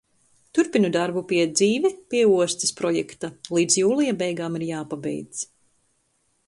Turpinu darbu pie "Dzīve pie ostas" projekta, līdz jūlija beigām ir jāpabeidz.